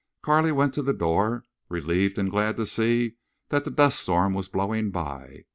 Carley went to the door, relieved and glad to see that the duststorm was blowing by.